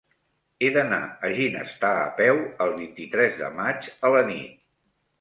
He d'anar a Ginestar a peu el vint-i-tres de maig a la nit.